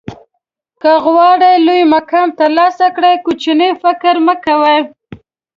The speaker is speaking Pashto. که غواړئ لوړ مقام ترلاسه کړئ کوچنی فکر مه کوئ.